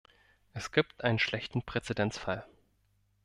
Es gibt einen schlechten Präzedenzfall.